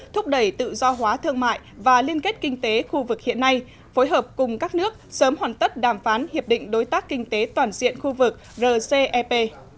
thúc đẩy tự do hóa thương mại và liên kết kinh tế khu vực hiện nay phối hợp cùng các nước sớm hoàn tất đàm phán hiệp định đối tác kinh tế toàn diện khu vực rcep